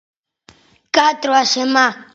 Catro a semá.